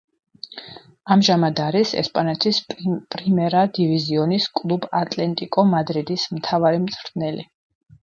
ამჟამად არის ესპანეთის პრიმერა დივიზიონის კლუბ „ატლეტიკო მადრიდის“ მთავარი მწვრთნელი.